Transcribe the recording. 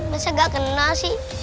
masa gak kena sih